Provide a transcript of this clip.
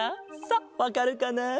さあわかるかな？